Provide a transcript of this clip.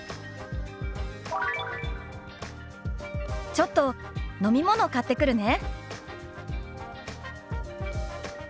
「ちょっと飲み物買ってくるね」。